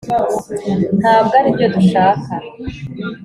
ntabwo aribyo dushaka.